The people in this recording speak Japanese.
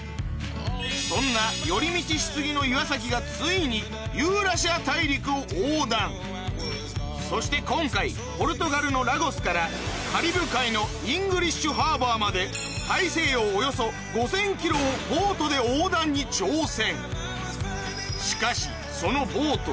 そんな寄り道し過ぎの岩崎がついにそして今回ポルトガルのラゴスからカリブ海のイングリッシュハーバーまで大西洋およそ５０００ｋｍをボートで横断に挑戦